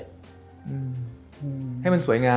บ๊วยให้มันสวยงาม